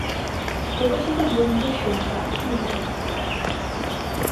প্রকাশিত গ্রন্থের সংখ্যা কুড়িটি।